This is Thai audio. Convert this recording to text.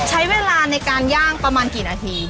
ใช้เวลาในการย่างประมาณกี่นาที